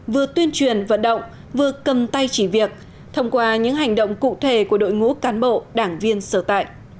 vừa tuyên truyền vận động vừa cầm tay chỉ việc thông qua những hành động cụ thể của đội ngũ cán bộ đảng viên sở tại